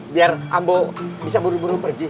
biar ambo bisa buru buru pergi